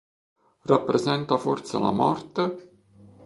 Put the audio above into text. Rappresenta forse la morte?